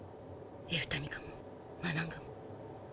エルタニカもマナンガも。